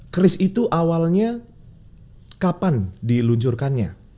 kris itu awalnya kapan diluncurkannya